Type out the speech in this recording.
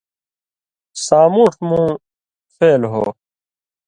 سامُوٹھوۡ مُوں فعل ہو